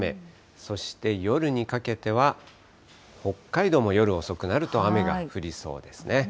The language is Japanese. そして夜にかけては、北海道も夜遅くなると雨が降りそうですね。